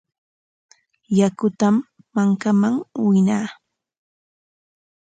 Yakutam mankaman winaa.